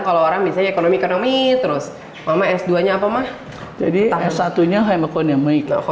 kalau orang misalnya ekonomi ekonomi terus mama s dua nya apa mah jadi s satu nya hemaconime